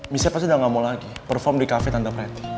michelle pasti udah gak mau lagi perform di kafe tante preti